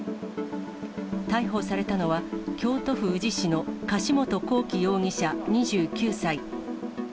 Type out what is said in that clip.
逮捕されたのは、京都府宇治市の柏本光樹容疑者２９歳。